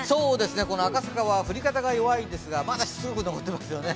この赤坂は降り方が弱いですが、まだ降っていますよね。